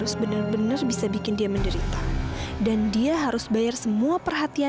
semoga kamu betah ya